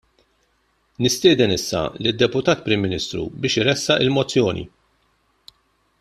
Nistieden issa lid-Deputat Prim Ministru biex iressaq il-Mozzjoni.